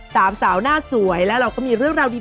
สามสาวหน้าสวยและเราก็มีเรื่องราวดี